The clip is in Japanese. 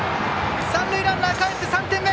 三塁ランナーかえって３点目。